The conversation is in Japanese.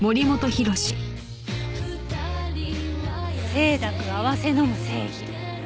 清濁併せ呑む正義。